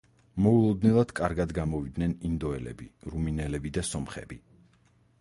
მოულოდნელად კარგად გამოვიდნენ ინდოელები, რუმინელები და სომხები.